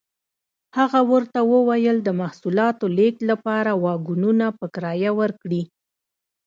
هغه ورته وویل د محصولاتو لېږد لپاره واګونونه په کرایه ورکړي.